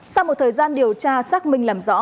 sau một thời gian điều tra xác minh làm rõ